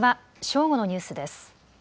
正午のニュースです。